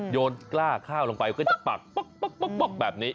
โยนกล้าข้าวลงไปก็จะปักปั๊กปั๊กปั๊กปั๊กแบบนี้